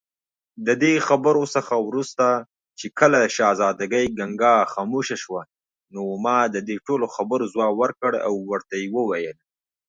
Call nine-one-one as soon as it is safe to do so.